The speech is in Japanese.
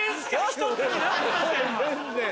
全然。